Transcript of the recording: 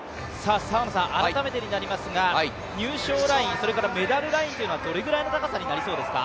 改めてになりますが、入賞ライン、メダルラインはどれぐらいの高さになりそうですか？